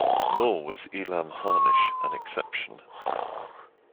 Nor was Elam Harnish an exception.